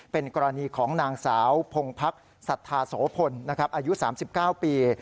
เป็นกรณีของนางสาวพงพักศรัทธาโสพลอายุ๓๙ปี